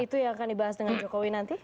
itu yang akan dibahas dengan jokowi nanti